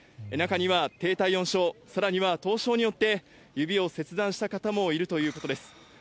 中には低体温症、さらには凍傷によって、指を切断した方もいるということです。